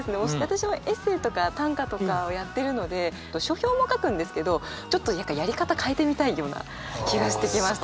私はエッセーとか短歌とかをやってるので書評も書くんですけどちょっとやり方変えてみたいような気がしてきました。